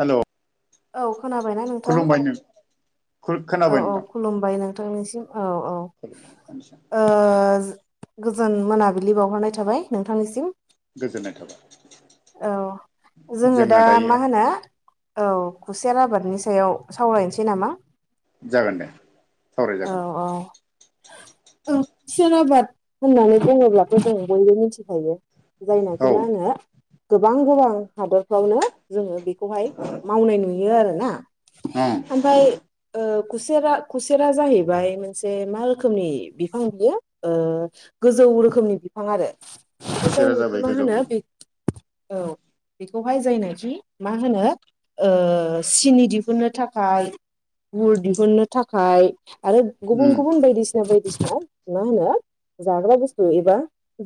हेल'। औ खोनाबायना नोंथां? खुलुमबाय नों औ खोनाबाय औ नोंथां खुलुमबाय नोंथांनिसिम। औ औ ओ [unintelligible] गोजोन मोनाबिलि बावहरनाय थाबाय नोंथांनिसिम। गोजोननाय थाबाय औ जोङो दा मा होनो? औ खुसेर आबादनि सायाव सावरायनोसै नामा? जागोन दे सावराय जागोन। हो ओं खुसेर आबाद होननानै बुङोब्लाबो जों बयबो मिथिखायो जायनाखि मा औ होनो गोबां गोबां हादरफ्रावनो जोङो बेखौहाय मावनाय नुयो आरोना ओं ओमफ्राय ओ खुसेरा खुसे रां जाहैबाय मोनसे मा रोखोमनि बिफां बियो ओ गोजौ रोखोमनि बिफां आरो रो खुसेरा जायनाखि जाबाय मा गोजौ होनो ओं बे औ [unintelligible] बेखौहाय जायनाखि मा होनो ओ सिनि दिहुननो थाखाय गुर दिहुननो थाखाय आरो गुबुन उम गुबुन बायदिसिना बाय मा होनो जाग्रा बुस्थु एबा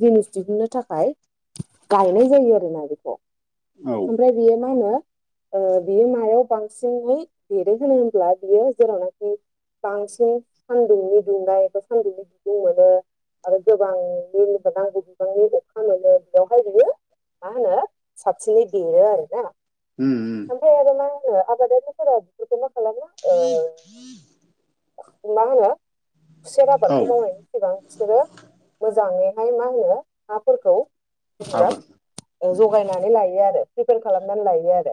जिनिस दिहुुननो थाखाय गायनाय जायो आरोना बेखौ औ ओमफ्राय बेयो मा होनो ओ बियो मायाव बांसिनै देरो होनो होनब्ला बियो जेरावनाखि बांसिन सान्दुंनि दुंनाय एबा सान्दुंनि बिदुं मोनो आरो गोबांनि नांगौ बिबांनि अखा मोनो बेयावहाय बियो मा होनो साबसिनै देरो आरोना उम उम ओमफ्राय आरो मा होनो आबादारिफोरा बेफोरखौ मा खालाम ह [unintelligible] मा होनो खुसेर औ आबादखौ मावनायनि सिगां बिसोरो मोजाङैहाय मा होनो हाफोरखौ [unintelligible] हाफोरखौ औ जगायनानै लायो आरो प्रिपयार खालामनानै लायो आरो।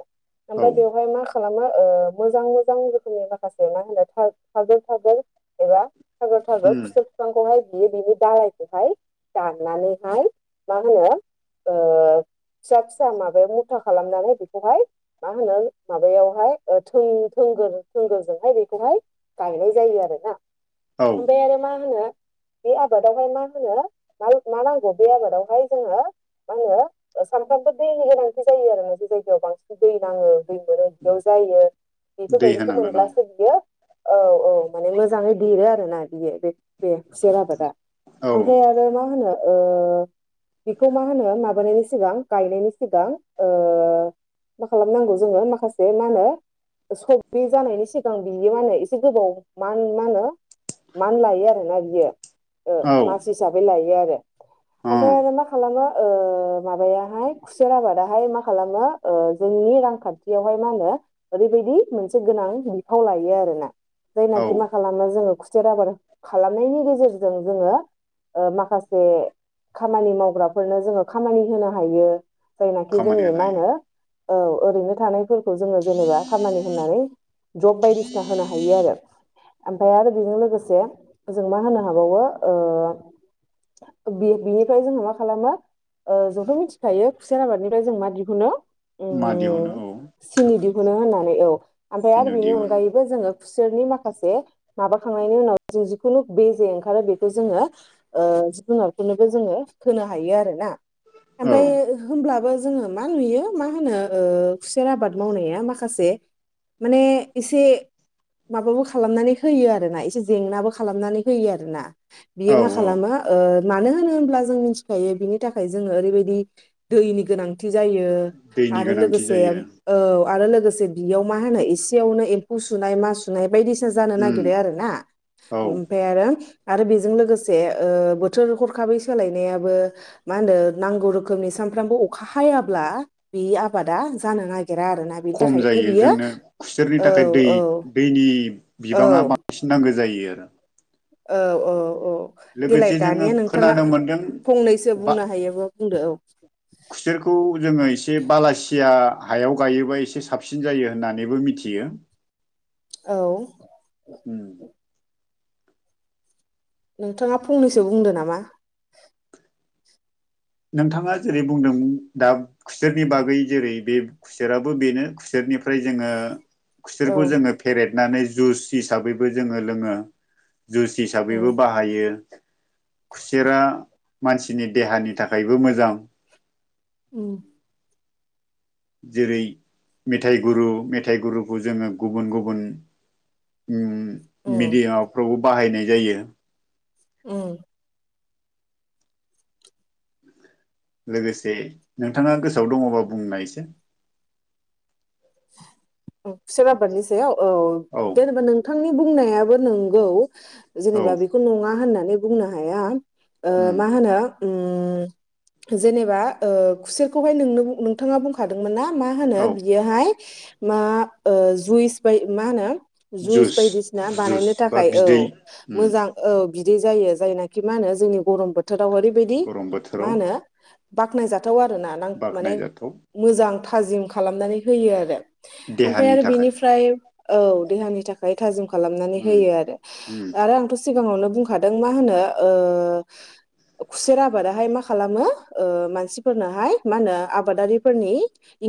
औ ओमफाय बेवहाय मा खालामो ओ मोजां मोजां रोखोमनि माखासे मा होनो थार थागोर थागोर एबा थागोर थागोर उम खुसेर फिफांखौहाय बियो बिनि दालायखौहाय दाननानैहाय मा होनो ओ फिसा फिसा माबायाव मुथा खालामनानै बेखौहाय मा होनो माबायावहाय ओ थों थों थोंगोर थोंगोरजोंहाय बेखौहाय गायनाय जायो आरोना औ ओमफाय आरो मा होनो बे आबादावहाय मा होनो माल मा नांगौ बे आबादावहाय जोङो मा होनो ओ सामफ्रामबो दैनि गोनांथि जायो आरोना जे जायगायाव बांसिन दै नाङो दै मोनो बेयाव जायो दै बेफोरबायदिखौ होनांगोन औ मोनब्लासो बियो औ औ माने मोजाङै देरो आरोना बियो बे बे खुसेर आबादा औ ओमफाय आरो मा होनो ओ बेखौ मा होनो माबानायायनि सिगां गायनायनि सिगां ओ मा खालामनांगौ जोङो माखासे मा होनो सब बे जानायनि सिगां बि यो मा होनो एसे गोबाव मान मा होनो मान लायो आरोना बियो ओ औ मास हिसाबै लायो आरो अ आफाय आरो मा खालामो [inaudible] ओ माबायाहाय खुसेर आबादाहाय मा खालामो ओ जोंनि रांखान्थियावहाय मा होनो [unintelligible] बिदि मोनसे गोनां बिफाव लायो आरोना औ जायनाखि मा खालामो जोङो खुस सेर आबाद खालामनायनि गेजेरजों जोङो ओ माखासे खामानि मावग्राफोरनो जोङो खामानि होनो हायो जायनाखि खामानि जोंनि मा हायो होनो औ ओरैनो थानाय फोरखौ जोङो जेनेबा खामानि होनानै जब बायदिसिना होनो हायो आरो। ओमफाय आरो बेजों लोगोसे जों मा होनो हाबावो ओ बि-बिनिफ्राय जोंहा मा खालामो ओ जोंथ' मिथिखायो खुसेर आबादनिफ्राय जों मा दिहुनो मा दिहुनो औ। मोनो होननानै औ आमफाय आर सिनु बेनि दिहुनो अनगायै बो जोङो खुसेरनि माखासे माबाखांनायनि उनाव जों जिखुनु बे जे ओंखारो बेखौ जोङो ओ जिखुनो [unintelligible] नोबो जोङो होनो हायो आरोना औ ओमफाय होमब्लाबो जोङो मा नुयो मा होनो ओ खुसेर आबाद मावनाया माखासे माने एसे माबाबो खालामनानै होयो आरोना एसे जेंनाबो खालामनानै होयो आरोना। बियो औ मा औ खालामो ओ मानो होनो होनब्ला जों मिनथिखायो बिनि थाखाय जोङो ओरैबायदि दैनि गोनां थि जायो दैनि आरो गोनांथि लोगोसे जायो औ आरो लोगोसे बियाव मा होनो एसेयावनो एम फौ सुनाय मासुनाय बायदिसिना जानो उम नागिरो आरोना औ ओमफाय आरो आरो बेजों लोगोसे ओ बोथोर हरखाबै सोलायनायाबो मा होनो नांगौ रोखोमनि सो सामफ्रामबो अखा हायाब्ला बि आबादा जानो नाग गेरा आरोना बिनि थाखायनो बियो बि औ दैनि औ बिबाङा बांसिन नांगौ जायो आरो। औ औ औ देलाय लोगोसे जोङो दानिया नोंथाङा खोनानो मोनदों फंनैसो बा बुंनो हायोबा बुंदो औ? खुसेरखौ जोङो एसे बालासिया हायाव गायोबा एसे साबसिन जायो होननानैबो मिथियो। औ। उम। नोंथाङा फंनैसो बुंदो नामा? नोंथाङा जेरै बुंदोंमोन दा खुसेरनि बागै जेरै बे खुसेराबो बेनो खुसेर निफ्राय जोङो औ खुसेरखौ जोङो फेरेदनानै जुइस हिसाबैबो जोङो लोङो। जुइस उम हिसाबैबो बाहायो। खुसेरा मानसिनि देहानि थाखायबो मोजां। उ जेरै मेथाइ गुरु मेथाइ गुरुखौ जोङो गुबुन गुबुन उम उम मेडियाफ्रावबो बाहायनाय जायो। औ लोगोसे नोंथाङा गोसोआव दङबा बुंनाय एसे? खुसेर आबादनि सायाव औ औ जेनेबा नोंथांनि बुंनायाबो नोंगौ। औ जेनेबा बेखौ नङा होननानै बुंनो हाया ओ उम मा होनो उम जेनेबा ओ खुसेरखौहाय नोंनो नोंथाङा बुंखादोंमोन ना? मा होनो औ बियोहाय मा ओ जुइस बाय मा होनो जुइस जुस बायदिसिना जुस बानायनो बा थाखाय औ बिदै उम मोजां औ बिदै जायो जायनाखि मा होनो जोंनि गरम बोथोराव ओरैबायदि गरम मा बोथोराव होनो बाख्नायजाथ जाथाव आरोना नां माने बाख्नायजाथाव मोजां थाजिम खालामनानै होयो आरो। ओमफ्राय देहानि आरो थाखाय बिनिफ्राय औ देहानि थाखाय थाजिम खालामनानै उम होयो आरो उम आरो आंथ' सिगाङावनो बुंखादों मा होनो ओ खुसेर आबादाहाय मा खालामो ओ मानसिफोरनोहाय मा होनो आबादारिफोरनि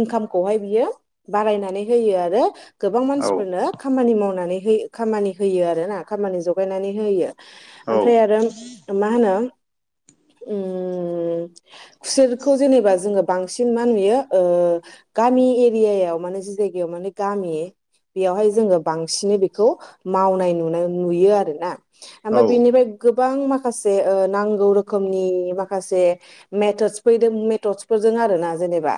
इनकामखौहाय बियो बारायनानै होयो आरो गोबां औ मानसिफोरनो खामानि मावनानै है खामानि होयो आरो ना खामानि जगायनानै होयो। औ ओमफ्राय आरो मा होनो ओम खुसेरखौ जेनेबा जोङो बांसिन मा नुयो ओ गामि एरियायाव माने जि जायगायाव माने गामि बेयावहाय जोङो बांसिनै बेखौ मावनाय नुनाय नुयो आरोना। औ आमफाय बेनिफाय गोबां माख माखासे ओ नांगौ रोखोमनि माखासे मेथदस फैदों मेथदसफोरजों आरोना जेनेबा।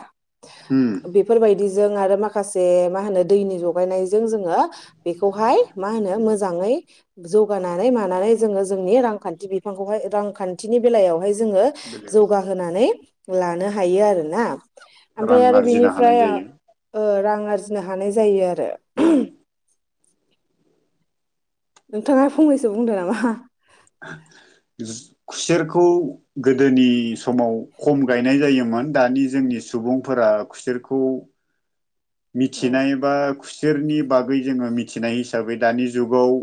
उम बेफोरबायदिजों आरो माखासे मा होनो दैनि जगायनायजों जोङो बेखौहाय मा होनो मोजाङै जौगानानै मानानै जोङो जोंनि रांखान्थि बि बिफांखौहाय रांखान्थिनि बेलायावहाय जोङो बेलायाव जौगाहोनानै लानो हायो आरोना रां ओमफ्राय आरो आरजिनो हानाय बिनिफ्राय जायो ओ ओ रां आरजिनो हानाय जायो आरो। उम नोंथाङा फंनैसो बुंदो नामा? खुसेरखौ गोदोनि समाव खम गायनाय जायो दानि जोंनि सुबुंफोरा खुसेरखौ औ मिथिनाय बा खुसेरनि बागै जोङो मिथिनाय हिसाबै दानि जुगाव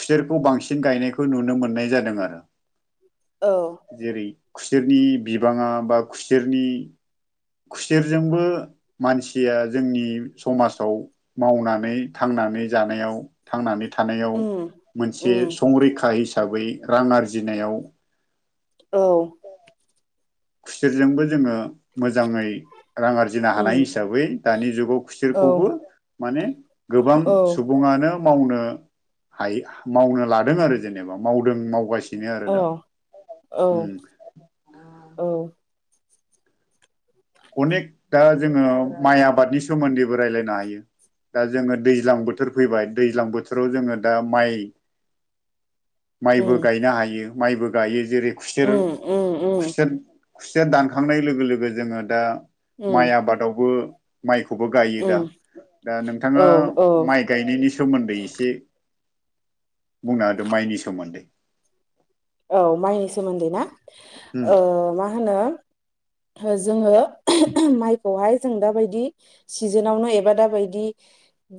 खुसेरखौ बांसिन गायनायखौ नुनो मोननाय जादों आरो। औ जेरै खुसेरनि बिबाङा बा खुसेरनि खुसेरजोंबो मानसिया जोंनि समाजाव मावनानै थां थांनानै जानायाव थांनानै थानायाव उम मोनसे उम संरैखा हिसाबै रां आरजिनायाव औ खुसेरजोंबो जोङो मोजाङै रां आरजिनो हानाय उम हिसाबै दानि जुगाव औ खुसोरखौबो माने गोबां औ सुबुङानो मावनो हायो मावनो लादों आरो जेनेबा मावदों मावगासिनो बिनो आरो औ दा औ औ अनेक दा जोङो माइ आबादनि सोमोन्दैबो रायलायनो हायो। दा जोङो दैज्लां बोथोर फैबाय दैज्लां बोथोराव जोङो दा माइ माइबो उम गायनो हायो माइबो गायो जेरै खुसेर उम उम उम खुसेर खुसेया दानखांनाय लोगो लोगो जोङो दा माइ उम आबादावबो माइखौ खौबो गायो उम दा दा औ नोंथाङा औ माइ गायनायनि सोमोन्दै एसे बुंनो होदो माइनि सोमोन्दै औ माइनि सोमोन्दै ना उम ओ मा होनो जोङो माइखौहाय जों दाबायदि सिजोनावनो एबा दाबायदि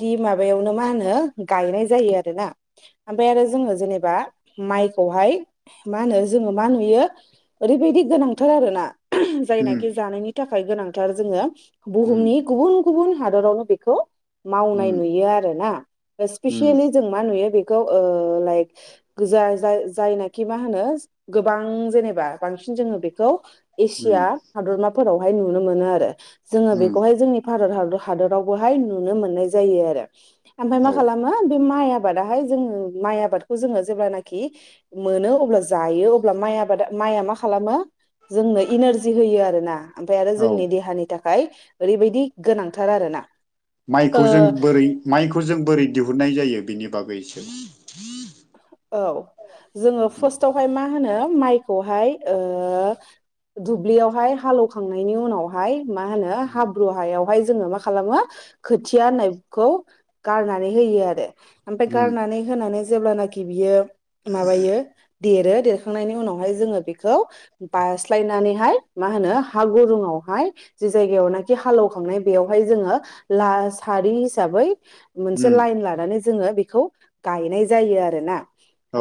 दि माबायावनो मा होनो गायनाय जायो आरो ना ओमफ्राय आरो जोङो जेनेबा माइखौहाय मा होनो जोङो मा नुयो ओरैबायदि गोनांथार आरोना उम जायनाखि जानायनि थाखाय थाखाय गोनांथार जोङो उम बुहुमनि गुबुन गुबुन हादरावनो बेखौ मावनाय उम नुयो आरोना उम स्पेसियेलि जों मा नुयो बे खौ लाइक गोजा जा जायनाय खि मा होनो गोबां जेनेबा बांसिन जोङो बेखौ उम एसिया हादरमा फोरावहाय नुनो मोनो आरो जोंओ उम बेखौहाल जोंनि भारत हादर हादरावबोहाय नुनो मोननाय जायो आरो ओमफाय मा औ खालामो बे मा माइ आबादाहाय जों माइ आबादखौ जोङो जेब्लानाखि मोनो अब्ला जायो अब्ला माइ आबादा माइआ मा खालामो। जोंनो इनारजि होयो आरोना ओमफाय आरो औ जोंनि देहानि थाखाय ओरैबायाददि गोनांथार आरो ना माइखौ जों बोरै माइखौ जों बोरै दिहुन नाम जायो बिनि बागैसो इसे औ जोङो फार्स्टआवहाय मा मा होनो माइखौहाय दुब्लियावहाय हालवखांनायनि उनावहाय मा होनो हाब्रु हायाव ओमफाय जोङो मा खालामो खोथिया होननायखौ गारनानै होयो आरो ओमफाय उम गारनानै होनानै जेब्लानाखि बियो माबायो देरो देरखांनायनि उनावहाय जोङो बेखौ बास्लायनानैहाय मा होनो हा गुरुङाव हाय जे जायगायावनोखि हालौवखांनाय बेयावहाय जोङो ला सारि हिसाबै मोनसे उम लाइन लानानै जोङो बेखौ गायनाय जायो आरो ना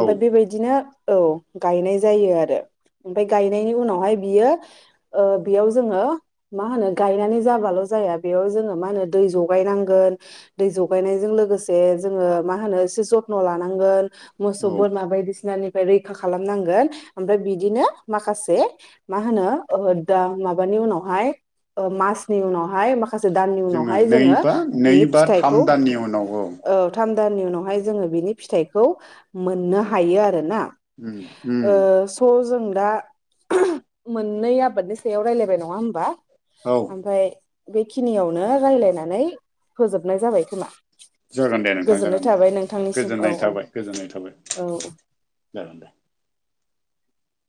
औ बेबायदिनो औ गायनाय जायो आरो। ओमफाय गायनायनि उनावहाय बियो ओ बेयाव जोङो मा होनो गायनानै जाबाल' जाया बेयाव जोङो मा होनो दै जगायनांगोन दै जगायनायजों लोगोसे जोङो मा होनो इसे जत्न लानांगोन मोसौ औ बोरमा बायदि सिनानि रैखा खालामनांगोन ओमफ्राय बिदिनो माखासे मा होनो ओ दा माबानिफ्राय उनावहाय ओ मासनि उनावहाय मा खाम माखासे दाननि उनावहाय नै जोङो बा नै बिनि बा थाम फिथाइखौ दाननि उनाव औ थाम दाननि उनावहाय जोङो बिनि फिथाइखौ मोननो हायो आरो ना। उम उम ओ स जों दा मोननै आबादनि सायाव रायलायबाय नङा होमबा औ ओमफ्राय बेखिनियावनो राय्लायनानै फोजोबनाय जाबाय खोमा जागोन दे नोंथां गोजोननाय जागोन दे थाबाय नोंथांनिसिम औ गोजोननाय थाबाय औ। गोजोननाय थाबाय औ जागोन दे।